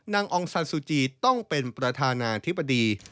นางองศาสุจีย์ต้องเป็นประธานาธิบดี